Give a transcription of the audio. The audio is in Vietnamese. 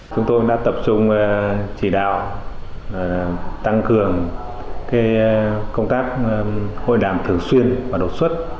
chúng tôi đã tập trung chỉ đạo tăng cường công tác hội đàm thường xuyên và đột xuất